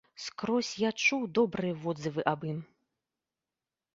Скрозь я чуў добрыя водзывы аб ім.